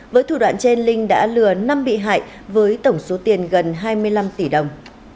với thủ đoạn trên linh đã lừa năm bị hại với tổng số tiền gần hai mươi năm tỷ đồng